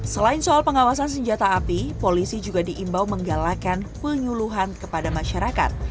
selain soal pengawasan senjata api polisi juga diimbau menggalakkan penyuluhan kepada masyarakat